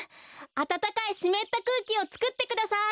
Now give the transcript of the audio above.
あたたかいしめったくうきをつくってください！